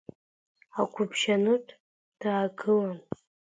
Агәыбжьанытә даагылан…